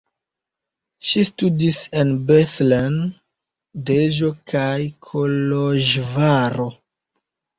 Ŝi studis en Bethlen, Deĵo kaj Koloĵvaro.